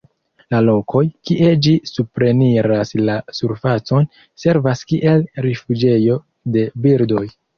La lokoj, kie ĝi supreniras la surfacon, servas kiel rifuĝejo de birdoj.